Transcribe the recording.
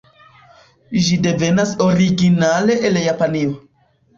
Ĝi devenas originale el Japanio.